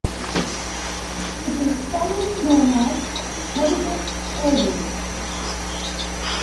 It was formerly known as Helijet Airways.